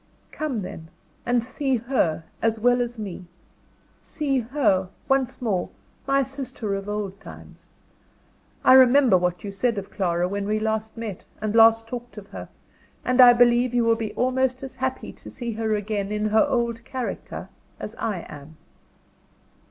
Come, then, and see her as well as me see her, once more, my sister of old times! I remember what you said of Clara, when we last met, and last talked of her; and I believe you will be almost as happy to see her again in her old character as I am.